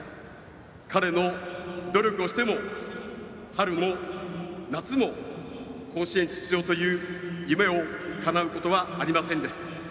彼は努力をしても春も夏も甲子園出場という夢をかなうことはありませんでした。